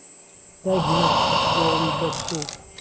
دایهینا گۆڵی بهد خوو